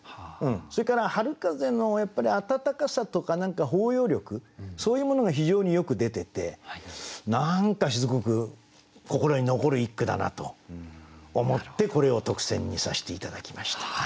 それから春風の暖かさとか包容力そういうものが非常によく出てて何かしつこく心に残る一句だなと思ってこれを特選にさせて頂きました。